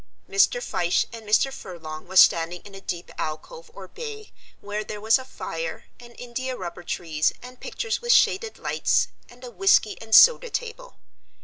Mr. Fyshe and Mr. Furlong were standing in a deep alcove or bay where there was a fire and india rubber trees and pictures with shaded lights and a whiskey and soda table.